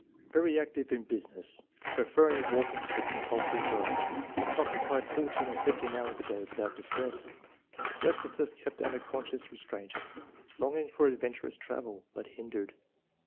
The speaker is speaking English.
10. " Very active in business, preferring walk ing to the compulsory driving ; occupied fourteen or fifteen hours a day without distress ; restless ness kept under conscious restraint ; longing for adventurous travel, but hindered.